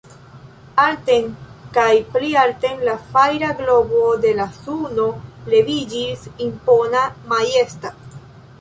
Alten kaj pli alten la fajra globo de la suno leviĝis, impona, majesta.